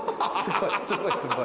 すごい。